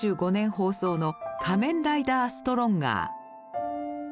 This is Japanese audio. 放送の「仮面ライダーストロンガー」。